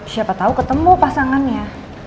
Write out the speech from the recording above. siapa tau ketemu pasangannya